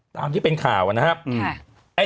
ตามที่เป็นข่าวนะครับ